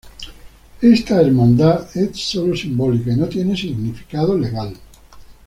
Esta hermandad es solo simbólica y no tiene significado legal.